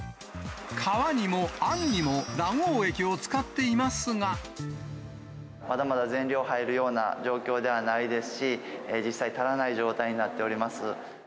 皮にもあんにも卵黄液を使っまだまだ全量入るような状況ではないですし、実際、足らない状態になっております。